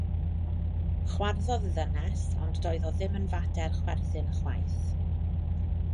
Chwarddodd y ddynes, ond doedd o ddim yn fater chwerthin ychwaith.